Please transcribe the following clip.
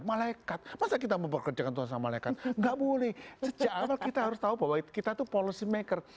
malaikat masa kita mau bekerja sama malaikat nggak boleh sejak awal kita harus tahu bahwa kita tuh policy maker